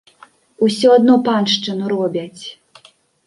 Усё адно паншчыну робяць.